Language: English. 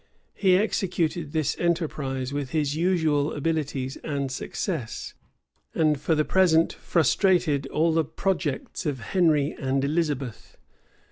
He executed this enterprise with his usual abilities and success; and for the present frustrated all the projects of Henry and Elizabeth.